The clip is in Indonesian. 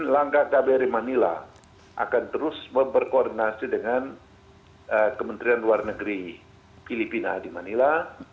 langkah kbri manila akan terus berkoordinasi dengan kementerian luar negeri filipina di manila